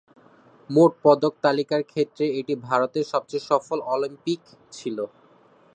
মোট পদক তালিকার ক্ষেত্রে এটি ভারতের সবচেয়ে সফল অলিম্পিক ছিল।